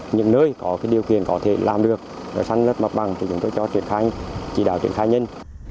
những nơi có điều kiện có thể làm được để sàn lấp mặt bằng thì chúng tôi cho truyền khai nhân